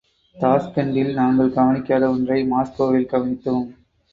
தாஷ்கண்டில் நாங்கள் கவனிக்காத ஒன்றை மாஸ்கோவில் கவனிக்தோம்.